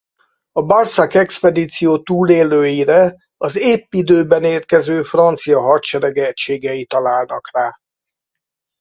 A Barsac-expedíció túlélőire az épp időben érkező francia hadsereg egységei találnak rá.